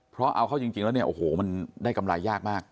เพราะเอาเข้าจริงแล้วเนี่ยโอ้โหมันได้กำไรยากมาก